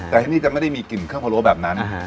แต่ที่นี่จะไม่ได้มีกลิ่นเครื่องพะโล้แบบนั้น